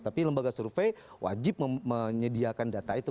tapi lembaga survei wajib menyediakan data itu